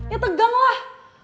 ya tegang lah